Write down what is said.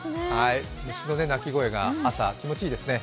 虫の鳴き声が朝、気持ちいいですね。